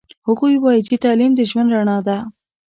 هغوی وایي چې تعلیم د ژوند رڼا ده